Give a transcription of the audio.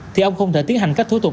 thì ông không thể tiến hành các thủ tục